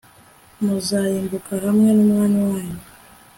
muzarimbuka hamwe n'umwami wanyu